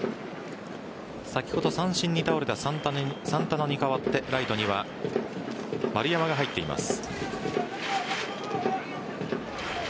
先ほど三振に倒れたサンタナに代わってライトには丸山が入っています。